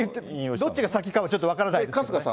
どっちが先かはちょっと分からないですけれども。